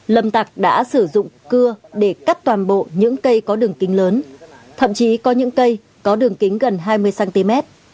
lâm tạc đã sử dụng cưa để cắt toàn bộ những cây có đường kính lớn thậm chí có những cây có đường kính gần hai mươi cm